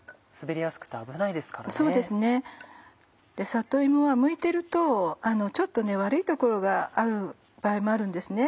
里芋はむいてるとちょっと悪い所がある場合もあるんです。